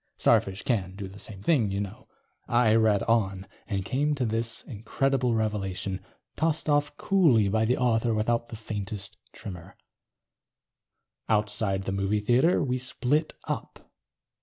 Starfish can do the same thing, you know. I read on. And came to this incredible revelation, tossed off coolly by the author without the faintest tremor: _... outside the movie theater we split up.